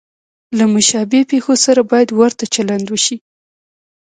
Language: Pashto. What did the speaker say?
له مشابه پېښو سره باید ورته چلند وشي.